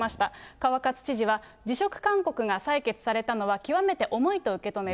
川勝知事は辞職勧告が採決されたのは極めて重いと受け止める。